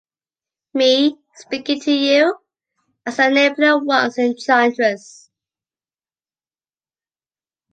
Me, speaking to you, I saw Napoleon once, in Chartres.